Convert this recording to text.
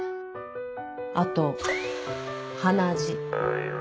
あと鼻血。